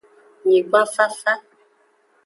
Nyigban fafa.